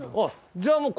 じゃあもう。